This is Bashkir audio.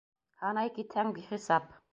Һанай китһәң, бихисап.